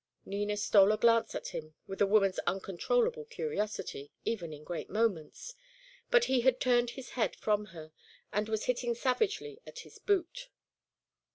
Nina stole a glance at him with a woman's uncontrollable curiosity, even in great moments. But he had turned his head from her, and was hitting savagely at his boot.